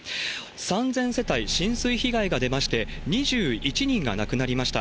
３０００世帯、浸水被害が出まして、２１人が亡くなりました。